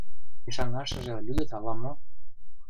Ешаҥашыже лӱдыт ала-мо.